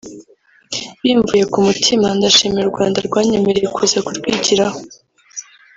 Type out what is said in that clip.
bimvuye ku mutima ndashimira u Rwanda rwanyemereye kuza kurwigiraho